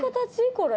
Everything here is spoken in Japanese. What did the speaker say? これ。